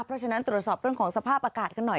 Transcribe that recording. เพราะฉะนั้นตรวจสอบเรื่องของสภาพอากาศกันหน่อย